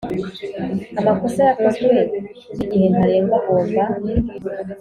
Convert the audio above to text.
amakosa yakozwe n igihe ntarengwa agomba